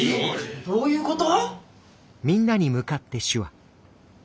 どういうこと？